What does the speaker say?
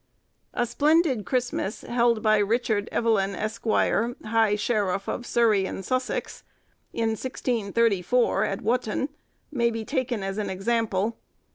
A splendid Christmas, held by Richard Evelyn, Esq., High Sheriff of Surrey and Sussex, in 1634, at Wotton, may be taken as an example.